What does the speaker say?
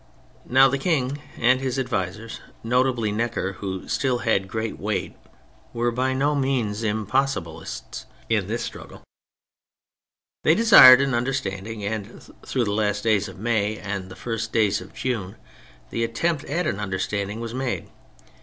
Now the King and his advisers, notably Necker, who still had great weight, were by no means " Impossiblists " in this struggle. They desu^ed an understanding, and through the last days of May and the first days of June the attempt at an understanding was made.